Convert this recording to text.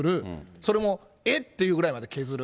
それも、えっていうぐらいまで削る。